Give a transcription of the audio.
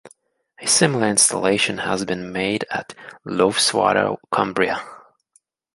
A similar installation has been made at Loweswater, Cumbria.